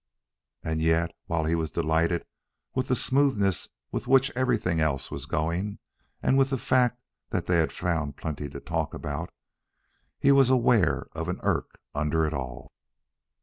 And yet, while he was delighted with the smoothness with which everything was going, and with the fact that they had found plenty to talk about, he was aware of an irk under it all.